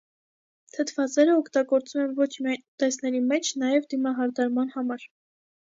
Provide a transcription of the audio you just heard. Թթվասերը օգտագործում են ոչ միայն ուտեստների մեջ, նաև դիմահարդարման համար։